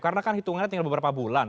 karena kan hitungannya tinggal beberapa bulan